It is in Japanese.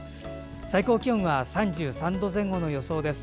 最高気温は３３度前後の予想です。